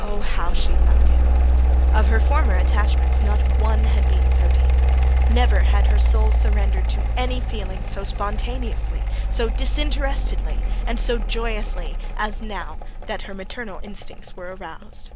Ah, how she loved him! Of her former attachments not one had been so deep; never had her soul surrendered to any feeling so spontaneously, so disinterestedly, and so joyously as now that her maternal instincts were aroused.